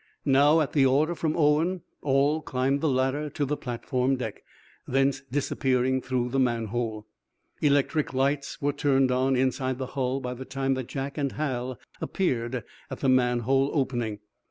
Now, at the order from Owen all climbed the ladder to the platform deck, thence disappearing through the manhole. Electric light was turned on inside the hull by the time that Jack and Hal appeared at the manhole opening.